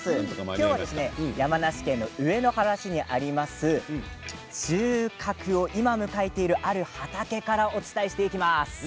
今日は山梨県の上野原市にあります収穫を今迎えているある畑からお伝えしていきます。